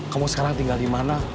kamu sekarang tinggal di mana